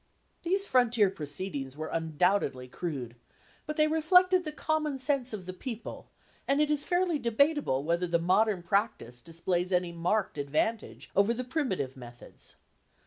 1 ' These frontier proceedings were undoubtedly crude, but they reflected the common sense of the people, and it is fairly debatable whether the modern practice displays any marked advan tage over the primitive methods.